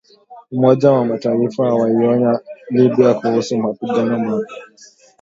Umoja wa Mataifa waionya Libya kuhusu mapigano mapya.